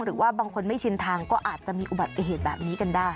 หรือว่าบางคนไม่ชินทางก็อาจจะมีอุบัติเหตุแบบนี้กันได้